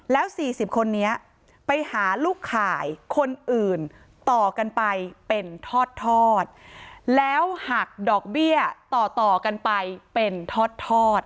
แล้ว๔๐คนนี้ไปหาลูกข่ายคนอื่นต่อกันไปเป็นทอดแล้วหักดอกเบี้ยต่อต่อกันไปเป็นทอด